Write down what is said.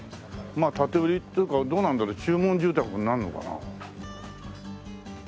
まあ建て売りっていうかどうなんだろう注文住宅になるのかな？